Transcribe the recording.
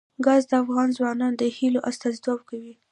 ګاز د افغان ځوانانو د هیلو استازیتوب کوي.